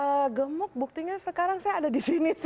eee gemuk buktinya sekarang saya ada di sini sih